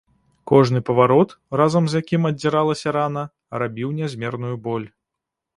Кожны паварот, разам з якім аддзіралася рана, рабіў нязмерную боль.